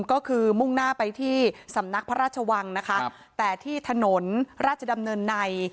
ก็คือมุ่งหน้าไปที่สำนักพระราชวังนะคะแต่ที่ถนนราชดำเนินใน